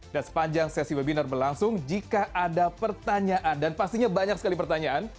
dan sepanjang sesi webinar berlangsung jika ada pertanyaan dan pastinya banyak sekali pertanyaan